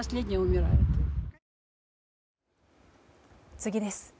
次です。